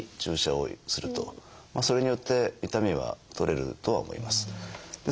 それによって痛みは取れるとは思います。